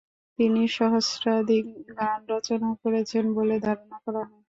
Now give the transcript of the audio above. তিনি সহস্রাধিক গান রচনা করেছেন বলে ধারণা করা হয়।